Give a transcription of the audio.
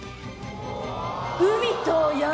海と山！